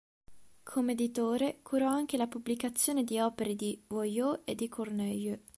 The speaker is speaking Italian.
Come editore, curò anche la pubblicazione di opere di Boileau e di Corneille.